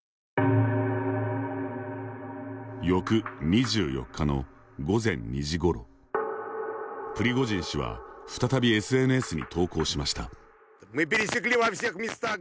翌２４日の午前２時ごろプリゴジン氏は再びＳＮＳに投稿しました。